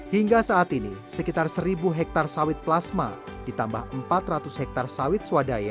hingga saat ini sekitar seribu hektare sawit plasma ditambah empat ratus hektare sawit swadaya